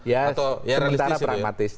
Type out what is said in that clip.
ya sementara pragmatis